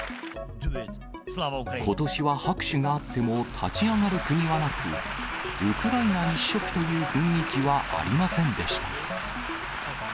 ことしは拍手があっても、立ち上がる国はなく、ウクライナ１色という雰囲気はありませんでした。